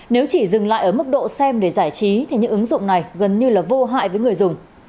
nếu chỉ dừng lại ở mức độ xem để giải trí thì những ứng dụng này gần như là vô hại với người dùng